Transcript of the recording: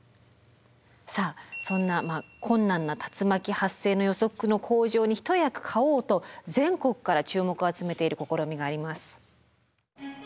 さあそんな困難な竜巻発生の予測の向上に一役買おうと全国から注目を集めている試みがあります。